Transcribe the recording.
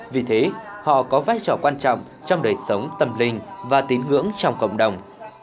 vì thế họ có vai trò quan trọng trong đời sống tâm linh và tín ngưỡng trong cộng đồng